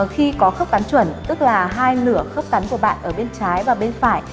khi có khớp cán chuẩn tức là hai nửa khớp cắn của bạn ở bên trái và bên phải